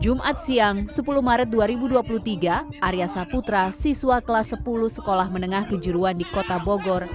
jumat siang sepuluh maret dua ribu dua puluh tiga arya saputra siswa kelas sepuluh sekolah menengah kejuruan di kota bogor